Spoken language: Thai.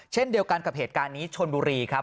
เช่นเดียวกันกับเหตุการณ์นี้ชนบุรีครับ